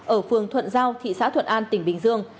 ở phường thuận giao thị xã thuận an tỉnh bình dương